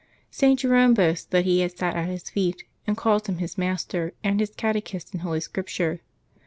St. Jerome boasts that he had sat at his feet, and calls him his master and his cat^chist in Holy Scripture.